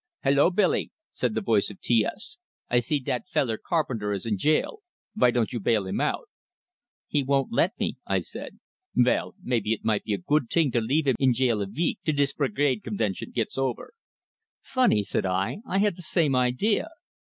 "Hello, Billy," said the voice of T S. "I see dat feller Carpenter is in jail. Vy don't you bail him out?" "He won't let me," I said. "Vell, maybe it might be a good ting to leave him in jail a veek, till dis Brigade convention gits over." "Funny!" said I. "I had the same idea!"